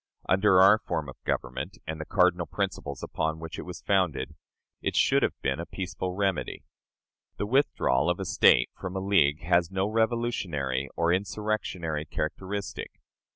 Under our form of government, and the cardinal principles upon which it was founded, it should have been a peaceful remedy. The withdrawal of a State from a league has no revolutionary or insurrectionary characteristic.